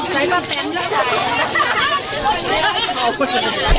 ใครบับเต้นเยอะกัน